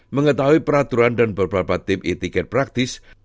mengetahui peraturan dan beberapa tip etiket praktis